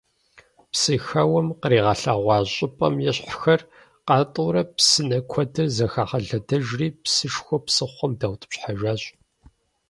Псыхэуэм къаригъэлъэгъуа щӀыпӀэм ещхьхэр къатӀыурэ псынэ куэдыр зыхагъэлъэдэжри псышхуэу псыхъуэм даутӀыпщхьэжащ.